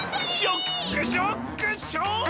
ショックショックショック！